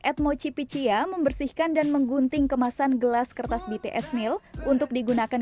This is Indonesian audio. at mochipichia membersihkan dan menggunting kemasan gelas kertas bts mil untuk digunakan